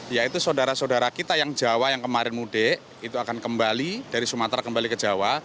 yaitu saudara saudara kita yang jawa yang kemarin mudik itu akan kembali dari sumatera kembali ke jawa